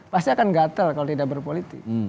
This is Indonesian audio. pasti akan gatel kalau tidak berpolitik